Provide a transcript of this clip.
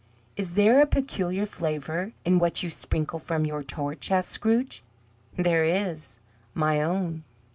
"Is there a peculiar flavour in what you sprinkle from your torch?" asked Scrooge. "There is. My own."